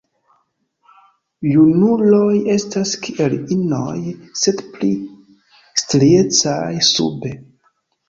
Junuloj estas kiel inoj, sed pli striecaj sube.